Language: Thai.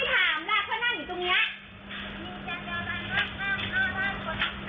ว่าไหนยังไม่เห็นมีคนเขามาหาเลย